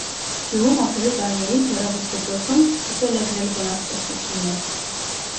Գյուղում ապրելու տարիներին, դեռևս դպրոցում, սկսել է գրել բանաստեղծություններ։